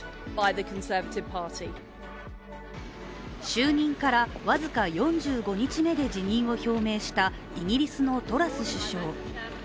就任から僅か４５日目で辞任を表明したイギリスのトラス首相。